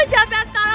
aisyah gak tau pak ibu